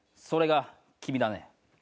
それが君だね。